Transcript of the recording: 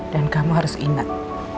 dan kamu harus ingat